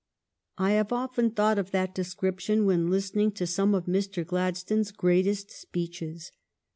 I have often thought of that description when listening to some of Mr. Gladstone's greatest speeches.